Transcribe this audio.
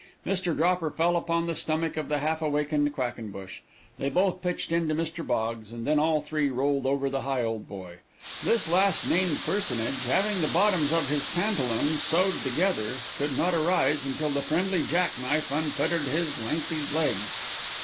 Mr. Dropper fell upon the stomach of the half awakened Quackenbush, they both pitched into Mr. Boggs, and then all three rolled over the Higholdboy. This last named personage, having the bottoms of his pantaloons sewed together, could not arise until the friendly jack knife unfettered his lengthy legs.